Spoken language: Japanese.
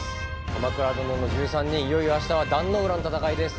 「鎌倉殿の１３人」、いよいよあしたは壇ノ浦の戦いです。